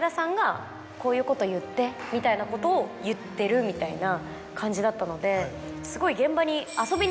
みたいなことを言ってるみたいな感じだったのですごい。